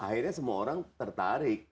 akhirnya semua orang tertarik